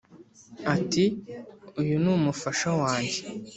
ati” uyu ni umufasha wanjye!”